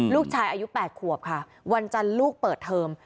ลูกชายอายุ๘ขวบค่ะวันจันทร์ลูกเปิดเทอม